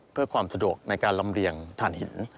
เพื่อความสะดวกในการลำเลียงฐานหิน